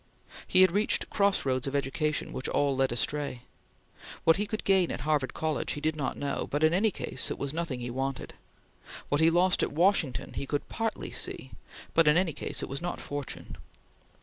He had reached cross roads of education which all led astray. What he could gain at Harvard College he did not know, but in any case it was nothing he wanted. What he lost at Washington he could partly see, but in any case it was not fortune.